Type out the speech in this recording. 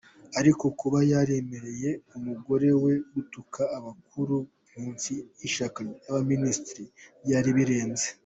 Ariko kuba yaremereye umugore we gutuka abakuru mu ishyaka n’abaminisitiri, byari birenze…”.